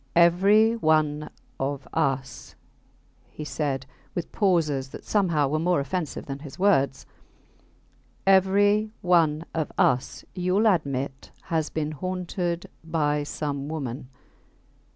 Every one of us, he said, with pauses that somehow were more offensive than his words every one of us, youll admit, has been haunted by some woman